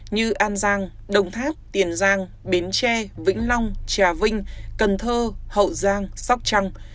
như an giang đồng tháp tiền giang bến tre vĩnh long trà vinh cần thơ hậu giang sóc trăng